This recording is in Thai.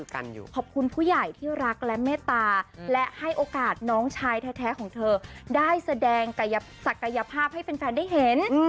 ขอบคุณผู้ใหญ่ที่รักและเมตตาและให้โอกาสน้องชายแท้ของเธอได้แสดงศักยภาพให้แฟนได้เห็น